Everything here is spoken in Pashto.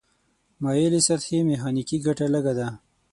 مایلې سطحې میخانیکي ګټه لږه ده.